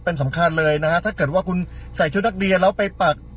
เป็นสำคัญเลยนะฮะถ้าเกิดว่าคุณใส่ชุดนักเรียนแล้วไปปัก